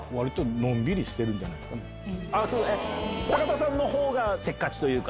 田さんのほうがせっかちというか。